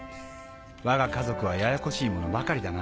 わが家族はややこしい者ばかりだな。